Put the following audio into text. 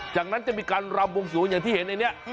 จากนั้นจะมีการรำวงสวงอย่างที่เห็นในนี้